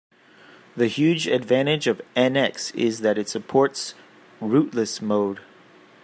The huge advantage of NX is that it supports "rootless" mode.